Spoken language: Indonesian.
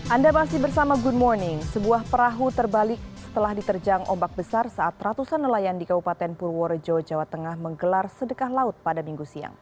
anda masih bersama good morning sebuah perahu terbalik setelah diterjang ombak besar saat ratusan nelayan di kabupaten purworejo jawa tengah menggelar sedekah laut pada minggu siang